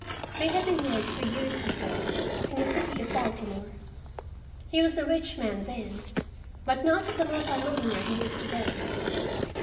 They had been married three years before in the city of Baltimore. He was a rich man then, but not the multimillionaire he is to day.